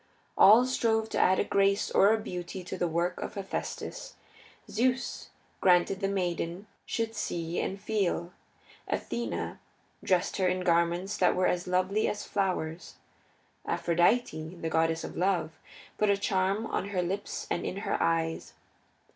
All strove to add a grace or a beauty to the work of Hephaestus. Zeus granted that the maiden should see and feel. Athene dressed her in garments that were as lovely as flowers. Aphrodite, the goddess of love, put a charm on her lips and in her eyes.